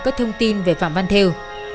các thông tin về phạm văn thêu